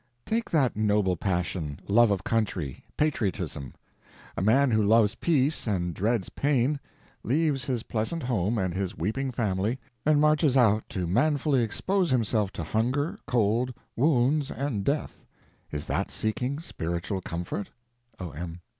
Take that noble passion, love of country, patriotism. A man who loves peace and dreads pain, leaves his pleasant home and his weeping family and marches out to manfully expose himself to hunger, cold, wounds, and death. Is that seeking spiritual comfort? O.M.